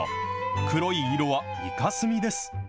黒い色はイカスミです。